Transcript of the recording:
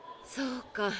そうか。